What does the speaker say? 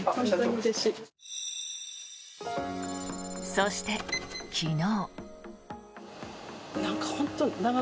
そして、昨日。